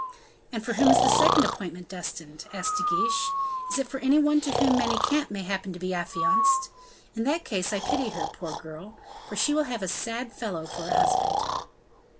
"And for whom is the second appointment destined?" asked De Guiche; "is it for anyone to whom Manicamp may happen to be affianced? In that case I pity her, poor girl! for she will have a sad fellow for a husband."